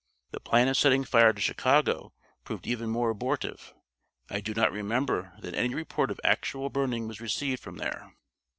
The plan of setting fire to Chicago proved even more abortive; I do not remember that any report of actual burning was received from there.